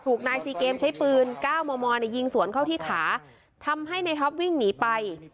นายซีเกมใช้ปืน๙มมยิงสวนเข้าที่ขาทำให้ในท็อปวิ่งหนีไป